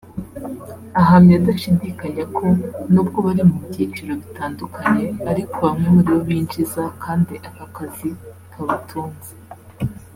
Ahamya adashidikanya ko nubwo bari mu byiciro bitandukanye ariko bamwe muri bo binjiza kandi aka kazi kabatunze